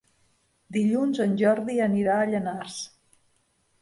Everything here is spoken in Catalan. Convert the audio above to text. Dilluns en Jordi anirà a Llanars.